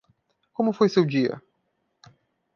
Como foi seu dia